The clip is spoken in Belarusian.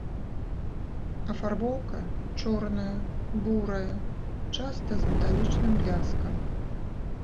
Афарбоўка, чорная, бурая, часта з металічным бляскам.